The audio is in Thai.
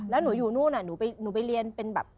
แล้วหนูอยู่นู่นหนูไปเรียนเป็นแบบ